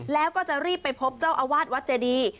แล้วก็จะรีบไปพบเจ้าอาวาสวัดเจดี